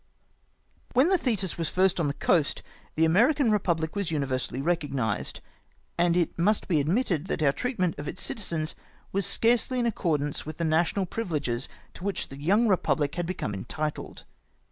Wlien the Thetis was first on the coast, the American repubhc was universally recognised, and it must be admitted that our treatment of its citizens was scarcely in accordance with the national privileges to which the young repubhc had become entitled.